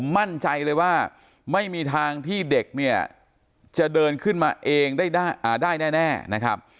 มั่นใจเลยว่าไม่มีทางที่เด็กเนี่ยจะเดินขึ้นมาเองได้แน่นะครับ